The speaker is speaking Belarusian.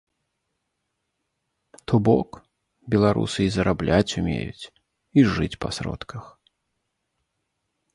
То бок, беларусы і зарабляць умеюць, і жыць па сродках.